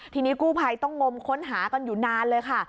ทีนี้กู้ภัยต้องงมค้นหากันอยู่นานเลยค่ะ